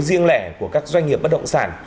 riêng lẻ của các doanh nghiệp bất động sản